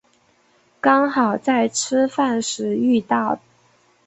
刚好在吃饭时遇到